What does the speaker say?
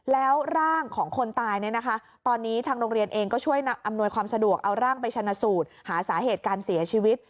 แล้วร่างของคนตายเนี่ยนะคะตอนนี้ทางโรงเรียนเองก็ช่วยอำนวยความสะดวกเอาร่างไปชนะสูตรหาสาเหตุการเสียชีวิต